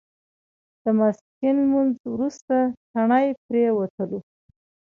د ماسپښین لمونځ وروسته تڼۍ پرېوتلو.